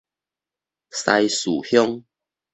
西嶼鄉